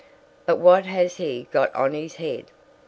But what has he got on his head?